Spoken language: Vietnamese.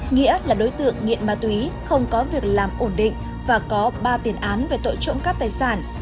nghĩa là đối tượng nghiện ma túy không có việc làm ổn định và có ba tiền án về tội trộm cắp tài sản